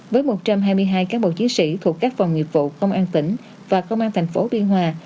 với một trăm hai mươi hai cán bộ chiến sĩ thuộc các phòng nghiệp vụ công an tỉnh và công an thành phố biên hòa